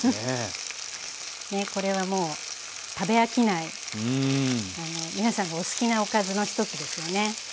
ねえこれはもう食べ飽きない皆さんがお好きなおかずの一つですよね。